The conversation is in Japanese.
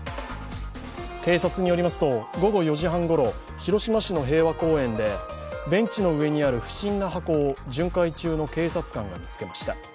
警察によりますと午後４時半ごろ広島市の平和公園で、ベンチの上にある不審な箱を巡回中の警察かが見つけました。